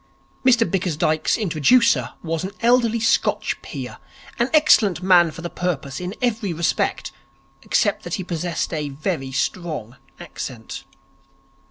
Mr Bickersdyke's introducer was an elderly Scotch peer, an excellent man for the purpose in every respect, except that he possessed a very strong accent.